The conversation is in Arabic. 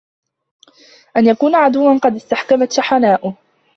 أَنْ يَكُونَ عَدُوًّا قَدْ اسْتَحْكَمَتْ شَحْنَاؤُهُ